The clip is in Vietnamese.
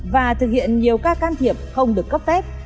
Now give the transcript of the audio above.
và thực hiện nhiều ca can thiệp không được cấp phép